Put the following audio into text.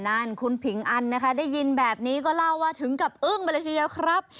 นั้นคุณผิงอันได้ยินแบบนี้ก็เล่าว่าถึงแบบอึ้งเมื่อละทีแล้วครับ